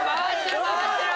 回ってる！